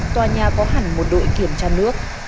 tòa nhà có hẳn một đội kiểm tra nước